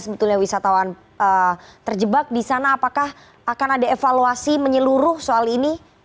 sebetulnya wisatawan terjebak di sana apakah akan ada evaluasi menyeluruh soal ini